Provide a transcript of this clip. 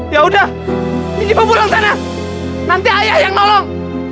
ya udah ini pembulung sana nanti ayah yang nolong